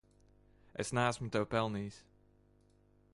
Es neesmu tevi pelnījis.